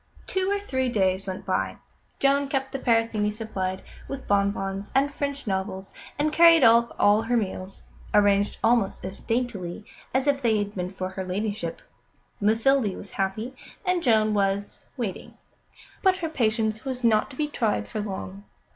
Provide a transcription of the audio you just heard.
Two or three days went by; Joan kept the Parisienne supplied with bonbons and French novels, and carried up all her meals, arranged almost as daintily as if they had been for her Ladyship. Mathilde was happy, and Joan was waiting. But her patience was not to be tried for long.